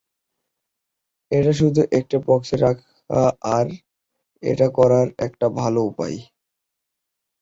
এটা শুধু একটা বাক্সে রাখা আর এটা করার একটা ভালো উপায়।